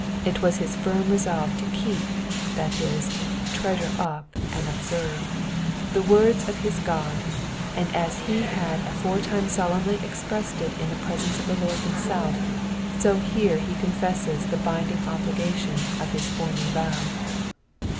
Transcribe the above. It was his firm resolve to keep — that is, treasure up and observe — the words of his God, and as he had aforetime solemnly expressed it in the presence of the Lord himself, so here he confesses the binding obligation of his former vow.